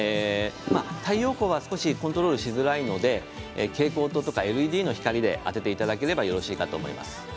太陽光は少しコントロールしづらいので蛍光灯とかＬＥＤの光を当てていただければよろしいかと思います。